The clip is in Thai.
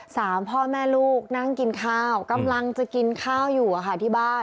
พ่อแม่ลูกนั่งกินข้าวกำลังจะกินข้าวอยู่อะค่ะที่บ้าน